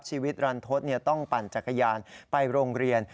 รันทศต้องปั่นจักรยานไปโรงเรียน